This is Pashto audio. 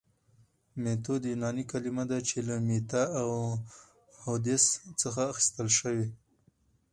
ميتود يوناني کلمه ده چي له ميتا او هودس څخه اخستل سوي